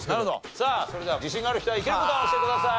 さあそれでは自信がある人はイケるボタンを押してください。